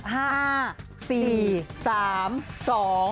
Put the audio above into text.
ห้าสี่สามสอง